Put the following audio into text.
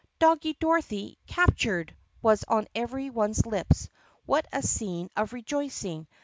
"Doggie Dorothy's captured!" was on every one's lips. What a scene of rejoicing!